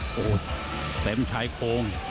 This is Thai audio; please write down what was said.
โอ้โหเต็มชายโครง